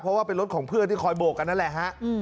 เพราะว่าเป็นรถของเพื่อนที่คอยโบกกันนั่นแหละฮะ